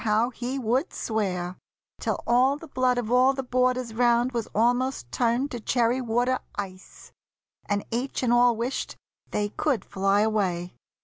how he would swear! Till all the blood of all the boarders round Was almost turned to cherry water ice, And each and all wished they could fly away.